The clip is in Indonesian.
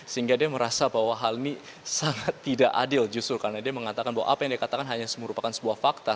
sehingga dia merasa bahwa hal ini sangat tidak adil justru karena dia mengatakan bahwa apa yang dikatakan hanya merupakan sebuah fakta